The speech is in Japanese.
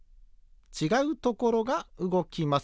ちがうところがうごきます。